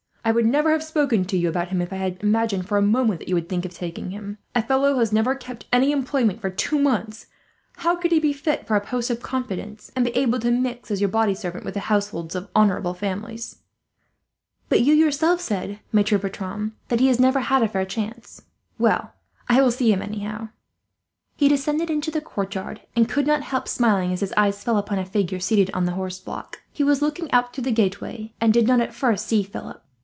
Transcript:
I would never have spoken to you about him, if I had imagined for a moment that you would think of taking him. A fellow who has never kept any employment for two months, how could he be fit for a post of confidence, and be able to mix as your body servant with the households of honourable families?" "But you said yourself, Maitre Bertram, that he has never had a fair chance. Well, I will see him, anyhow." [Illustration: Philip gets his first look at Pierre.] He descended into the courtyard, and could not help smiling as his eye fell upon a figure seated on the horse block. He was looking out through the gateway, and did not at first see Philip.